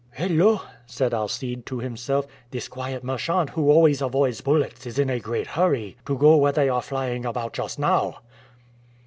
"Hullo!" said Alcide to himself, "this quiet merchant who always avoids bullets is in a great hurry to go where they are flying about just now!"